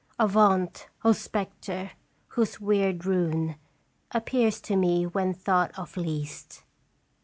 Avaunt, O Spectre whose weird rune Appears to me when thought of least